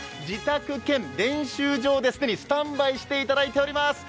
自宅兼練習場で既にスタンバイしていただいています。